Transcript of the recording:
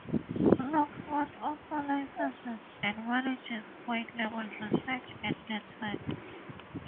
LookSmart also licenses and manages 'white label' search ad networks.